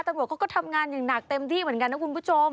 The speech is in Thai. ตำรวจเขาก็ทำงานอย่างหนักเต็มที่เหมือนกันนะคุณผู้ชม